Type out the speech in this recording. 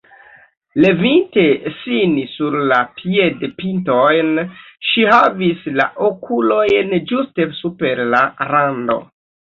Levinte sin sur la piedpintojn, ŝi havis la okulojn ĝuste super la rando.